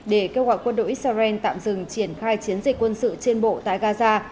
để kêu gọi quân đội israel tạm dừng triển khai chiến dịch quân sự trên bộ tại gaza